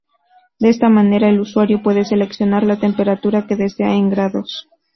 De esta manera el usuario puede seleccionar la temperatura que desea en grados.